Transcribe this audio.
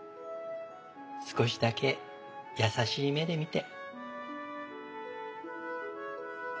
少しだけ優しい目で見て。